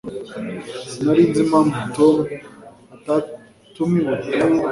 Sinari nzi impamvu Tom atatumiwe